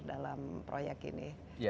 dalam proyek ini